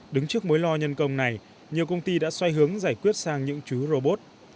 đứng trước mối lo nhân công này nhiều công ty đã xoay hướng giải quyết sang những chú robot